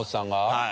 はい。